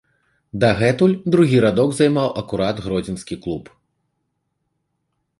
Дагэтуль другі радок займаў акурат гродзенскі клуб.